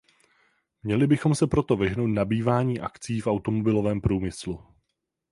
Měli bychom se proto vyhnout nabývání akcií v automobilovém průmyslu.